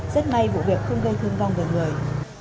rất may vụ việc không gây thương vong về người